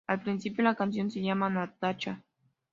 Al principio la canción se llamaba "Natacha".